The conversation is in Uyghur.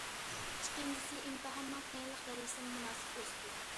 ئىككىنچىسى، ئىمتىھاننىڭ قىيىنلىق دەرىجىسىمۇ مۇناسىپ ئۆستى.